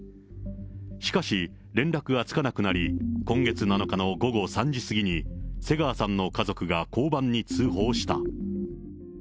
しかし、連絡がつかなくなり、今月７日の午後３時過ぎに、瀬川さんの家族が交番に通報した。